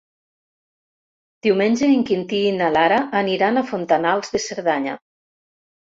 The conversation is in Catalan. Diumenge en Quintí i na Lara aniran a Fontanals de Cerdanya.